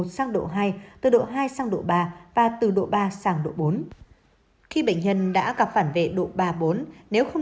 sang độ hai từ độ hai sang độ ba và từ độ ba sang độ bốn khi bệnh nhân đã gặp phản vệ độ ba bốn nếu không